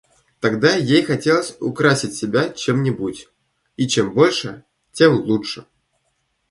Тогда ей хотелось украсить себя чем-нибудь, и чем больше, тем лучше.